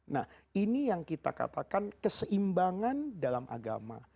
nah ini yang kita katakan keseimbangan dalam agama